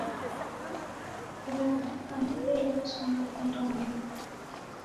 Kuramka nideloswa naw'aenda Mwambasa.